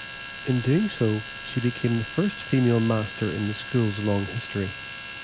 In doing so, she became the first female master in the school's long history.